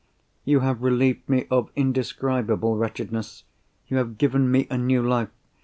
"You have relieved me of indescribable wretchedness; you have given me a new life.